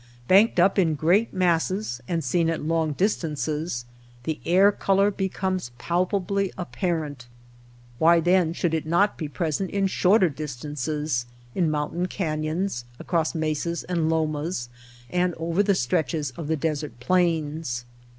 Banked up in great masses, and seen at long distances, the air color becomes palpably apparent. Why then should it not be present in shorter distances, in moun tain canyons, across mesas and lomas, and over the stretches of the desert plains